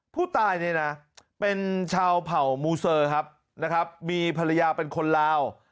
ผู้ตายเนี่ยนะเป็นชาวเผ่ามูเซอร์ครับนะครับมีภรรยาเป็นคนลาว